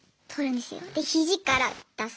で肘から出す。